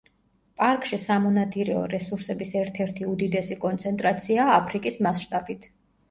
პარკში სამონადირეო რესურსების ერთ-ერთი უდიდესი კონცენტრაციაა აფრიკის მასშტაბით.